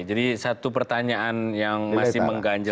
jadi satu pertanyaan yang masih mengganjal